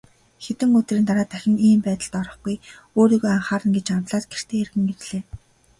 Хэдэн өдрийн дараа дахин ийм байдалд орохгүй, өөрийгөө анхаарна гэж амлаад гэртээ эргэн ирлээ.